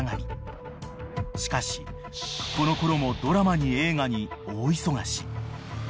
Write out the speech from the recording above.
［しかしこのころもドラマに映画に大忙し］